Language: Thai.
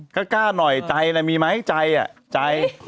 ก็กล้าหน่อยใจมีไหมใจอ่ะใจใจ